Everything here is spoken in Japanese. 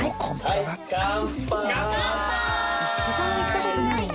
一度も行った事ないね。